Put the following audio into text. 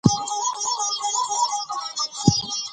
فایبر د کولمو ګټورو بکتریاوو لپاره مهم دی.